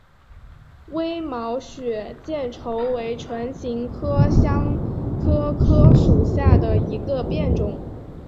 微毛血见愁为唇形科香科科属下的一个变种。